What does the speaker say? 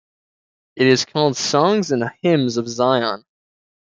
It is called Songs and Hymns of Zion.